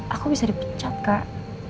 aku bisa dipecat kak